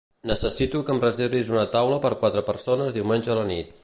Necessito que em reservis una taula per quatre persones diumenge a la nit.